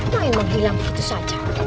memang hilang begitu saja